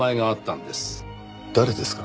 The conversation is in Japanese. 誰ですか？